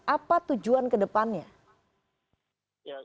apa tujuan ke depannya